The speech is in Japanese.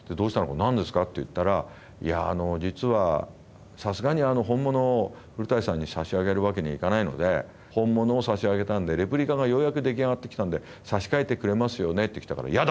何ですか？」って言ったら「いやあの実はさすがにあの本物を古さんに差し上げるわけにはいかないので本物を差し上げたんでレプリカがようやく出来上がってきたんで差し替えてくれますよね」ってきたから「やだ！」っつったの。